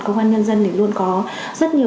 công an nhân dân thì luôn có rất nhiều